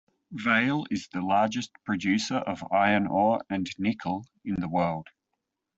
Vale is the largest producer of iron ore and nickel in the world.